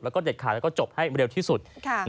แล้วก็จบให้เร็วที่สุด